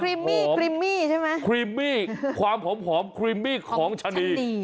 รีมี่กรีมมี่ใช่ไหมครีมมี่ความหอมครีมมี่ของชะนี